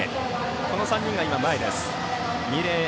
この３人が前にいます。